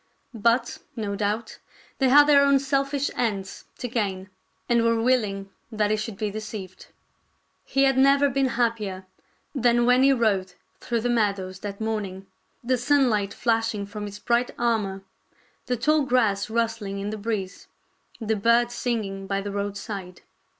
But, no doubt, they had their own selfish ends to gain, and were willing that he should be deceived. He had never been happier than when he rode through the meadows that morning, the sunlight flashing from his bright armor, the tall grass rust ling in the breeze, the birds singing by the road side.